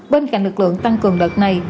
bên cạnh lực lượng tăng cường lợt này